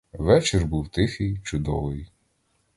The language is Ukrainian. Вечір був тихий, чудовий.